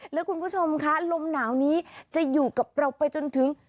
แล้วคุณผู้ชมคะลมหนาวนี้จะอยู่กับเราไปจนถึง